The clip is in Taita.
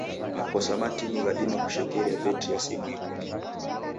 Makosa matini ghadima kushekeria betri ya simu ibuke.